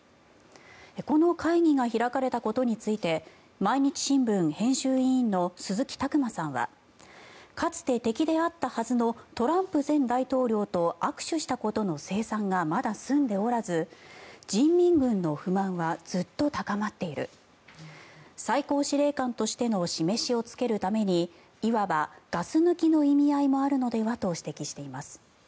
この会議が開かれたことについて毎日新聞編集委員の鈴木琢磨さんはかつて敵であったはずのトランプ前大統領と握手したことの清算がまだ済んでおらず人民軍の不満はずっと高まっている最高司令官としての示しをつけるためにいわばガス抜きの意味合いもあるのではと指摘しています。